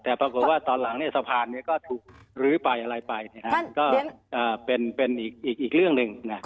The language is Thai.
แต่ปรากฏว่าตอนหลังนี่สะพานแอดนึงก็หรือไปอะไรไปอีกเรื่องหนึ่ง